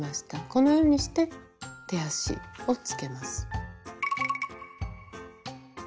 このようにして手足をつけます。